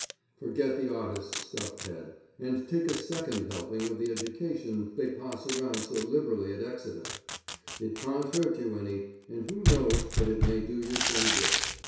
Forget the artist stuff Ted, and take a second helping of the education they pass around so liberally at Exeter. It can't hurt you any, and who knows but it may do you some good.